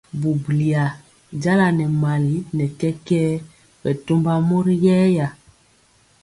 Bubuliya jala nɛ mali nɛ kɛkɛɛ bɛ tɔmba mori yɛya.